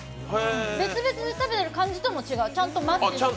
別々に食べてる感じとも違う、ちゃんとマッチして。